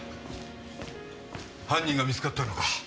犯人が見つかったのか？